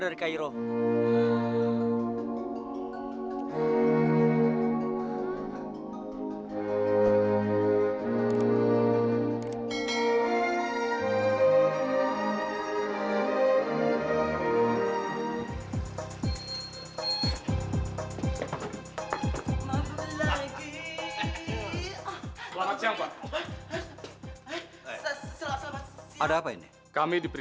diri udah lupain aja fadir